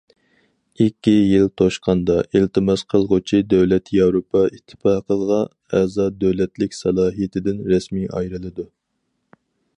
ئىككى يىل توشقاندا، ئىلتىماس قىلغۇچى دۆلەت ياۋروپا ئىتتىپاقىغا ئەزا دۆلەتلىك سالاھىيىتىدىن رەسمىي ئايرىلىدۇ.